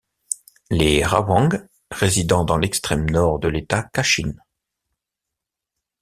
Les Rawang résident dans l'extrême nord de l'État Kachin.